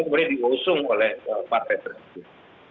kemudian diusung oleh partai tersebut